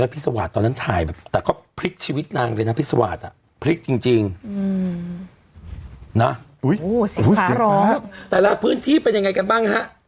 พี่สวัสตร์ต้อนั้นถ่ายแต่พลิกชีวิตนางเลยนะพี่สวัสตร์พลิกจริง